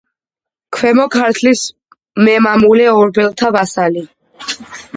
ქვემო ქართლის მემამულე, ორბელთა ვასალი.